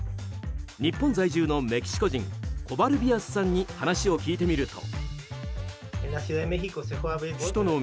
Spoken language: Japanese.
日本在住のメキシコ人コバルビアスさんに話を聞いてみると。